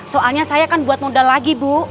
soalnya saya kan buat modal lagi bu